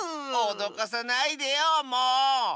おどかさないでよもう！